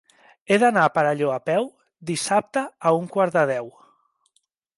He d'anar al Perelló a peu dissabte a un quart de deu.